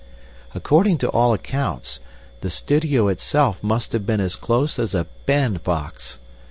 According to all accounts, the studio itself must have been as close as a bandbox.